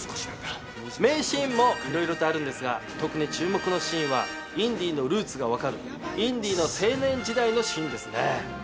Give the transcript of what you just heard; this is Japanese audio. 名シーンもいろいろとあるんですが特に注目のシーンはインディのルーツが分かるインディの青年時代のシーンですね。